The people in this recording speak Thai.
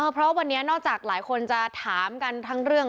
เพราะวันนี้นอกจากหลายคนจะถามกันทั้งเรื่อง